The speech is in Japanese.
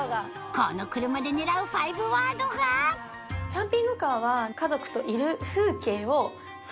この車で狙う５ワードがキャンピングカーは。